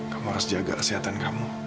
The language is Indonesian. kamu harus jaga kesehatan kamu